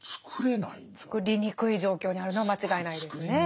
つくりにくい状況にあるのは間違いないですね。